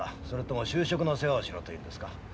それとも就職の世話をしろと言うんですか？